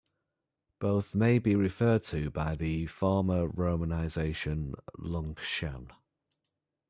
Both may also be referred to by the former romanization Lung-shan.